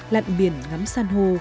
lặn biển ngắm san hô